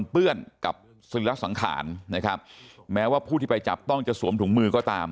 เปื้อนกับศิลสังขารนะครับแม้ว่าผู้ที่ไปจับต้องจะสวมถุงมือก็ตาม